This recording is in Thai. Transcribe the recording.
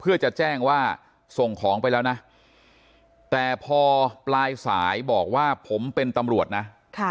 เพื่อจะแจ้งว่าส่งของไปแล้วนะแต่พอปลายสายบอกว่าผมเป็นตำรวจนะ